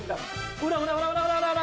ほらほらほらっ！